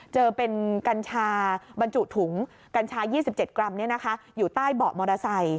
เจอเป็นกัญชาบรรจุถุงกัญชา๒๗กรัมอยู่ใต้เบาะมอเตอร์ไซค